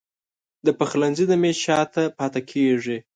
د پخلنځي د میز شاته پاته کیږې